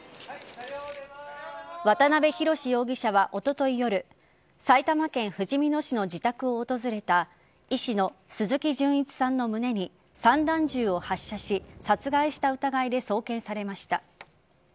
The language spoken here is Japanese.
渡辺宏容疑者はおととい夜埼玉県ふじみ野市の自宅を訪れた医師の鈴木純一さんの胸に散弾銃を発射し殺害した疑いで送検されました。